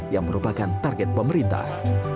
yang merupakan target pemerintah